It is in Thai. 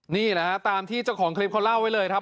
นี่แหละฮะตามที่เจ้าของคลิปเขาเล่าไว้เลยครับ